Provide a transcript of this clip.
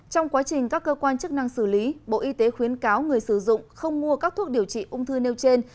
trong quá trình các cơ quan chức năng xử lý bộ y tế khuyến cáo người sử dụng không mua các thuốc điều trị ung thư nêu trên